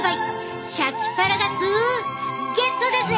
シャキパラガスゲットだぜ！